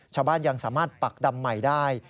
ชาวบ้านยังสามารถปักดำใหม่ได้